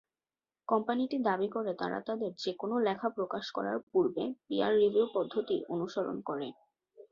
কোম্পানিটি দাবি করে তারা তাদের যেকোন লেখা প্রকাশ করার পূর্বে পিয়ার রিভিউ পদ্ধতি অনুসরণ করে।